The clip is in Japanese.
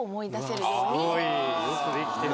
すごいよくできてる。